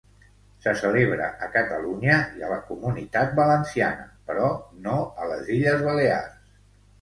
Se celebra a Catalunya i a la Comunitat Valenciana però no a les Illes Balears.